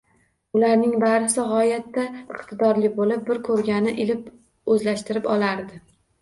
Ularning barisi g‘oyatda iqtidorli bo‘lib, bir ko‘rganini ilib-o‘zlashtirib olardi.